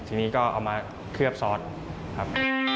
ทีนี้ก็เอามาเคลือบซอสครับ